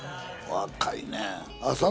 若いねん。